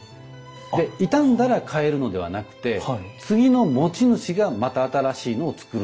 で傷んだら替えるのではなくて次の持ち主がまた新しいのを作る。